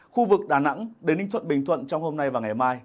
khu vực đà nẵng đến ninh thuận bình thuận trong hôm nay và ngày mai